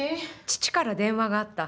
「父から電話があった。